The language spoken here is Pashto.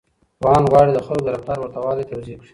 پوهان غواړي د خلکو د رفتار ورته والی توضيح کړي.